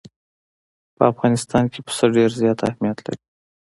په افغانستان کې پسه ډېر زیات اهمیت لري.